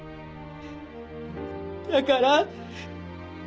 だから。